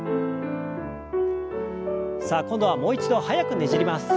さあ今度はもう一度速くねじります。